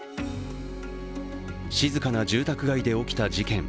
静かな住宅街で起きた事件。